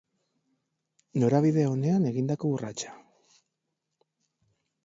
Norabide onean egindako urratsa.